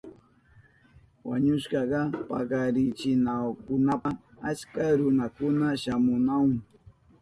Wañushkata pakarichinankunapa achka runakuna shamunahun.